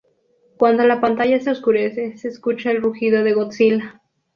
Cuando la pantalla se oscurece, se escucha el rugido de Godzilla.